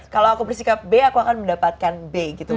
kalau aku bersikap b aku akan mendapatkan b gitu